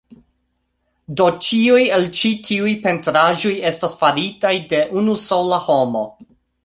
Do, ĉiuj el ĉi tiuj pentraĵoj estas faritaj de unu sola homo